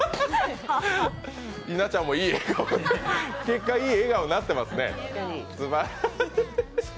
稲ちゃんもいい、結果いい笑顔になってますね。